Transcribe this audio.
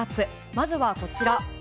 まずはこちら。